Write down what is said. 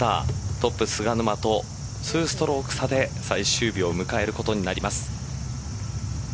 トップ・菅沼と２ストローク差で最終日を迎えることになります。